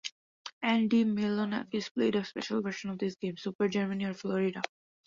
Andy Milonakis played a special version of this game, Super Germany or Florida?